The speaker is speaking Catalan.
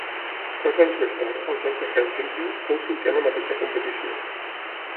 Quatre anys més tard, als Jocs de Hèlsinki, fou cinquè en la mateixa competició.